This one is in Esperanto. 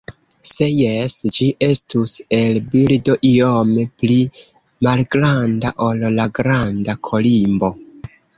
Se jes, ĝi estus el birdo iome pli malgranda ol la Granda kolimbo.